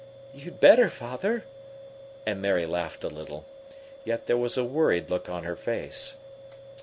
"You'd better, Father!" and Mary laughed a little. Yet there was a worried look on her face.